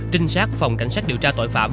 trinh sát phòng cảnh sát điều tra tội phạm